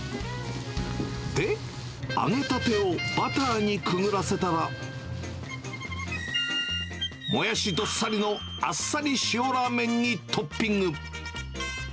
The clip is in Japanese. で、揚げたてをバターにくぐらせたら、もやしどっさりのあっさり塩ラーメンにトッピング。